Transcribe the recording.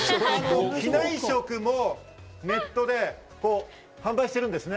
機内食もネットで販売してるんですね。